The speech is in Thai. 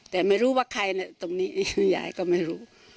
แต่ไม่รู้ว่าใครตรงนี้คือยายก็ไม่รู้